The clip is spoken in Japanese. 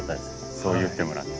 そう言ってもらって。